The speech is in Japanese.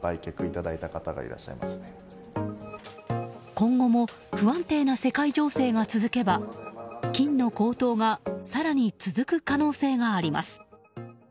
今後も不安定な世界情勢が続けば金の高騰が更に続く可能性があります。